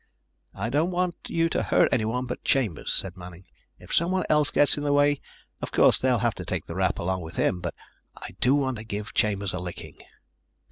"I don't want you to hurt anyone but Chambers," said Manning. "If somebody else gets in the way, of course they have to take the rap along with him. But I do want to give Chambers a licking.